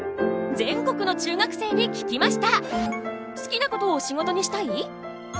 全国の中学生に聞きました！